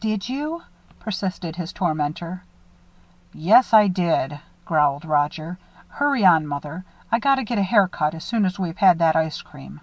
"Did you?" persisted his tormenter. "Yes, I did," growled Roger. "Hurry on, Mother. I gotta get a haircut as soon as we've had that ice cream."